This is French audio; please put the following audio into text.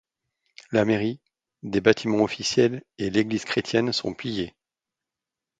La mairie, des bâtiments officiels et l'église chrétienne sont pillés.